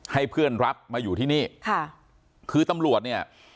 ให้เพื่อนรับมาอยู่ที่นี่ค่ะคือตำรวจเนี่ย